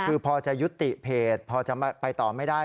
คือพอจะยุติเพจพอจะไปต่อไม่ได้